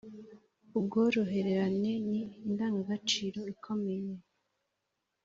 ubworoherane ni indangagaciro ikomeye